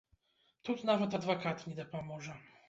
Тут нават адвакат не дапаможа.